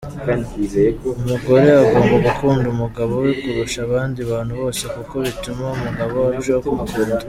Umugore agomba gukunda umugabo we kurusha abandi bantu bose kuko bituma umugabo arushaho kumukunda.